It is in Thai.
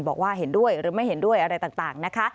บอกว่าเห็นด้วยหรือไม่เห็นด้วยอะไรต่างนะคะ